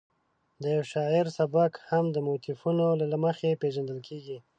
د یو شاعر سبک هم د موتیفونو له مخې پېژندل کېږي.